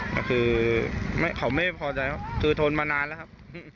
ก็คือเขาไม่พอใจครับคือทนมานานแล้วครับ